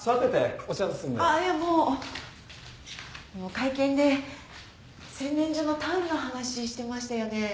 会見で洗面所のタオルの話してましたよね？